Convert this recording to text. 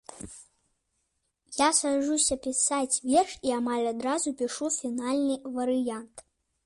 Я саджуся пісаць верш і амаль адразу пішу фінальны варыянт.